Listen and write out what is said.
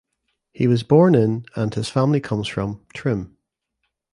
He was born in and his family comes from Trim.